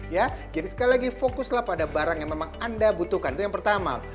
jadi sekali lagi fokuslah pada barang yang memang anda butuhkan itu yang pertama